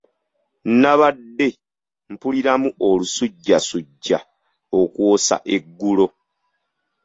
Nnabadde mpuliramu olusujjasujja okwosa eggulo.